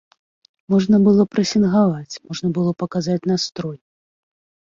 Можна было прэсінгаваць, можна было паказаць настрой!